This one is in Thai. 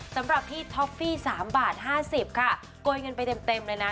สำหรับพี่ท็อฟฟี่๓บาท๕๐ค่ะโกยเงินไปเต็มเลยนะ